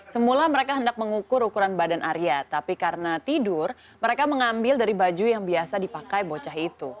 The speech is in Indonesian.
semula mereka hendak mengukur ukuran badan arya tapi karena tidur mereka mengambil dari baju yang biasa dipakai bocah itu